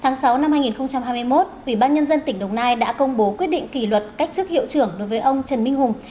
ngày sáu hai nghìn hai mươi một ủy ban nhân dân tỉnh đồng nai đã công bố quyết định kỷ luật cách chức hiệu trưởng đối với ông trần minh hùng